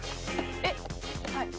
えっはい。